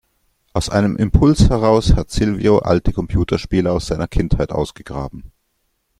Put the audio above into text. Aus einem Impuls heraus hat Silvio alte Computerspiele aus seiner Kindheit ausgegraben.